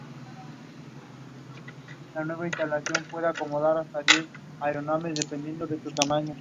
Tsang was defeated by Katherine Ruth of United States.